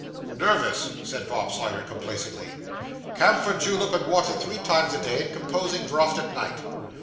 'Nervous,' said Bob Sawyer complacently. 'Camphor julep and water three times a day, and composing draught at night.